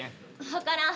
分からん。